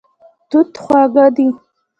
توت خواږه دی.